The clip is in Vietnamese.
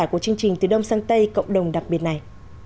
của chương trình từ đông sang tây cộng đồng đặc biệt này